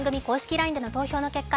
ＬＩＮＥでの投票の結果